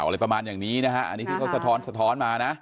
อะไรประมาณอย่างนี้นะฮะอันนี้ที่เขาสะท้อนสะท้อนมานะ